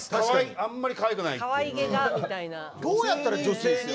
あんまりかわいくないって。